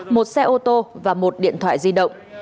một xe ô tô và một điện thoại di động